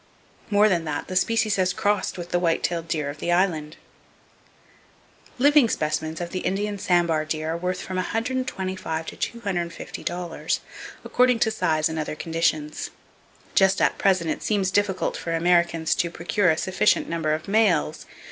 More than that, the species has crossed with the white tailed deer of the Island. Living specimen of the Indian Sambar deer are worth from $125 to $250, according to size and other conditions. Just at present it seems difficult for Americans to procure a sufficient number of males!